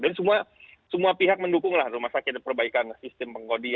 dan semua pihak mendukung rumah sakit dan perbaikan sistem pengkodian